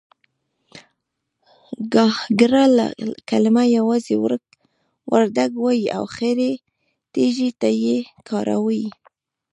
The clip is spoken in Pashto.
گاگره کلمه يوازې وردگ وايي او خړې تيږې ته يې کاروي.